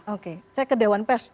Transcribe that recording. oke saya ke dewan pers